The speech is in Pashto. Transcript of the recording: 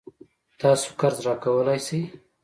تاسو قرض راکولای شئ؟